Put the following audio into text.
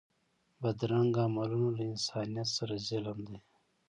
بدرنګه عملونه له انسانیت سره ظلم دی